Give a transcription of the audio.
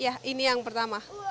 ya ini yang pertama